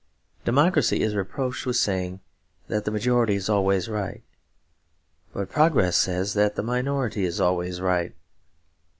Democracy is reproached with saying that the majority is always right. But progress says that the minority is always right.